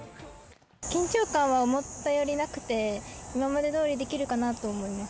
緊張感は思ったよりなくて、今までどおりできるかなと思います。